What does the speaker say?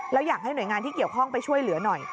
แล้วอยากให้หน่วยงานที่เกี่ยวข้องไปช่วยเหลือหน่อย